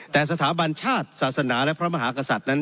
แต่สถาบันชาติศาสนาและพระมหากษัตริย์นั้น